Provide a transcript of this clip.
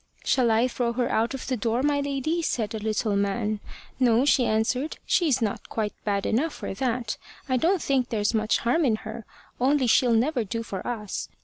`Shall I throw her out of the door, my lady?' said the little man. `No,' she answered; `she's not quite bad enough for that. I don't think there's much harm in her; only she'll never do for us.